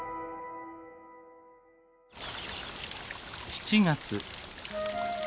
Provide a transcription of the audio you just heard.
７月。